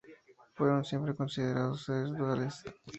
Fueron siempre considerados seres duales.